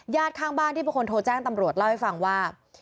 ข้างบ้านที่เป็นคนโทรแจ้งตำรวจเล่าให้ฟังว่า